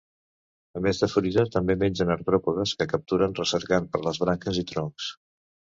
A més de fruita també mengen artròpodes que capturen recercant per les branques i troncs.